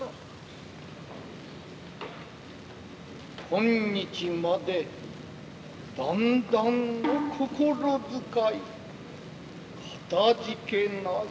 今日までだんだんの心遣いかたじけない。